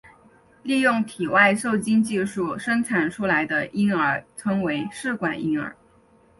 利用体外受精技术生产出来的婴儿称为试管婴儿。